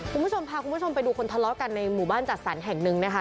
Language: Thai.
คุณผู้ชมพาคุณผู้ชมไปดูคนทะเลาะกันในหมู่บ้านจัดสรรแห่งหนึ่งนะคะ